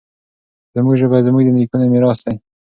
زموږ ژبه زموږ د نیکونو میراث دی.